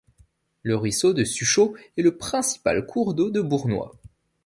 Le Ruisseau de Suchot est le principal cours d'eau de Bournois.